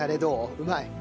うまい？